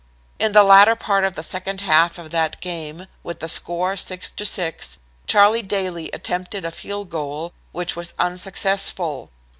In the latter part of the second half of that game, with the score 6 to 6, Charlie Daly attempted a field goal, which was unsuccessful.